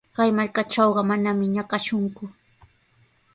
Kay markaatrawqa manami ñakashunku.